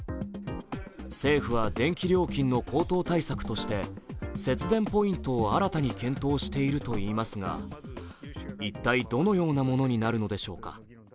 政府は電気料金の高騰対策として節電ポイントを新たに検討しているといいますが、一体、どのようなものになるのでしょうか。